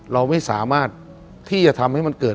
เราไม่สามารถที่จะทำให้มันเกิด